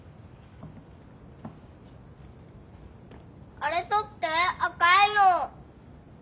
あれ取って赤いの。